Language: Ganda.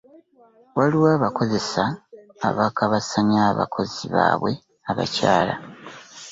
Waliwo abakozesa abakabasanya abakozi babawe abakyala .